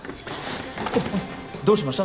どうしました？